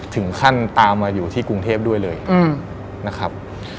ถึงขั้นตามมาอยู่ที่กรุงเทพด้วยเลยนะครับ